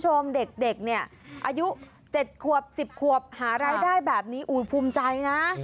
คุณผู้ชมเด็กเนี่ยอายุ๗ขวบ๑๐ขวบหารายได้แบบนี้อุ๊ยภูมิใจนะ